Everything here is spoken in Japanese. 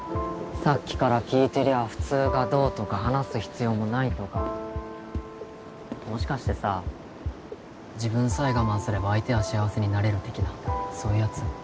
さっきから聞いてりゃ普通がどうとか話す必要もないとかもしかしてさ自分さえ我慢すれば相手は幸せになれる的なそういうやつ？